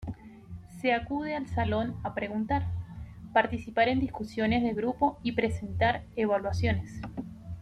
Se acude al salón a preguntar, participar en discusiones de grupo y presentar evaluaciones.